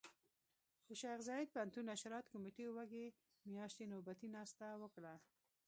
د شيخ زايد پوهنتون نشراتو کمېټې وږي مياشتې نوبتي ناسته وکړه.